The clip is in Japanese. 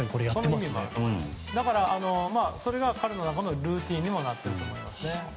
だから、それは彼の中のルーティンになっていると思います。